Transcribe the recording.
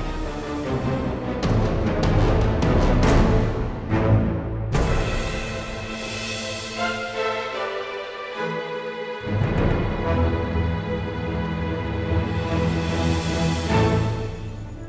kita harus melepaskan semuanya